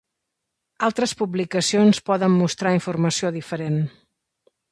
Altres publicacions poden mostrar informació diferent.